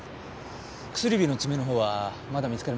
薬指の爪のほうはまだ見つかりませんか？